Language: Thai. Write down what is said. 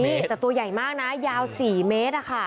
นี่แต่ตัวใหญ่มากนะยาว๔เมตรอะค่ะ